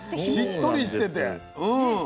しっとりしてて。